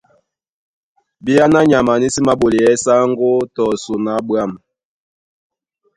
Bìáná nyama ní sí māɓolɛɛ́ sáŋgó tɔ son á ɓwǎm̀.